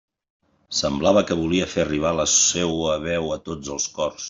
Semblava que volia fer arribar la seua veu a tots els cors.